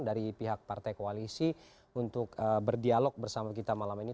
dari pihak partai koalisi untuk berdialog bersama kita malam ini